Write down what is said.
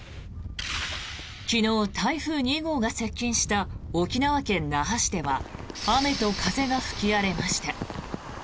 昨日、台風２号が接近した沖縄県那覇市では雨と風が吹き荒れました。